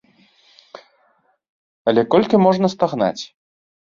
Але колькі можна стагнаць?